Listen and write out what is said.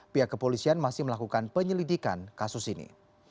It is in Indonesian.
pihak kepolisian masih melakukan penyelidikan kasus ini